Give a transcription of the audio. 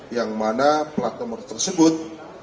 yang mana plat nomor tersebut